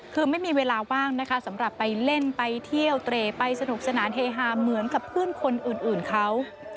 คือไม่มีเวลาว่างนะคะสำหรับไปเล่นไปเที่ยวเตรไปสนุกสนานเฮฮาเหมือนกับเพื่อนคนอื่นเขา